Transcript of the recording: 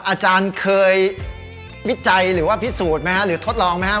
อาจารย์เคยวิจัยหรือว่าพิสูจน์ไหมฮะหรือทดลองไหมครับ